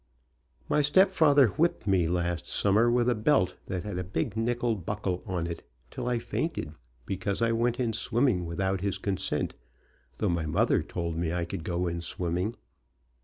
My stepfather whipped me last summer with a belt that had a big nickel buckel on it, till I fainted, because I went in swimming without his consent, though my mother told me I could go in swimming.